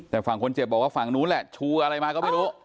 แต่ฝั่งคนเจ็บบอกว่าฝั่งนู้นแหละชูอะไรมาก็ไม่รู้